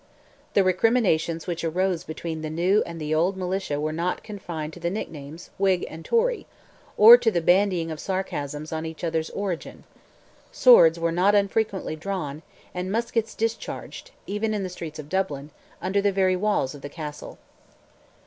The recriminations which arose between the new and the old militia were not confined to the nicknames, Whig and Tory, or to the bandying of sarcasms on each others' origin; swords were not unfrequently drawn, and muskets discharged, even in the streets of Dublin, under the very walls of the Castle.